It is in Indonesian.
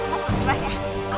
mas terserah ya